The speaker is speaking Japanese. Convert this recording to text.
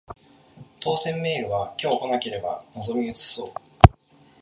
当せんメールは今日来なければ望み薄そう